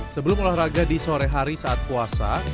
sebelum olahraga di sore hari saat puasa